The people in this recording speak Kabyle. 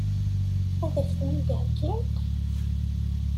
Ad k-ten-id-heggint?